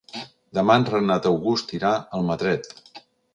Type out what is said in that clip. Demà en Renat August irà a Almatret.